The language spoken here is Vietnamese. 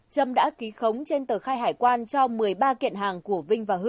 trâm đã ký khống trên tờ khai hải quan cho một mươi ba kiện hàng của vnh